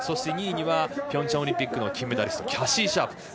２位にはピョンチャンオリンピックの金メダリストキャシー・シャープ。